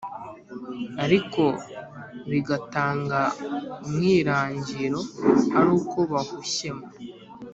Ariko bigatanga umwirangiro ari uko bahushyemo